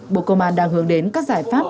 bộ công an đang hướng đến các giải pháp